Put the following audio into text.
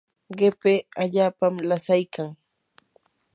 qipi allaapam lasaykan.